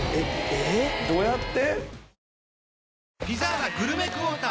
どうやって？